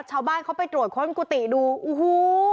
ชาวบ้านเขาไปตรวจค้นกุฏิดูโอ้โห